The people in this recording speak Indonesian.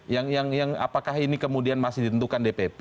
yang apakah ini kemudian masih ditentukan dpp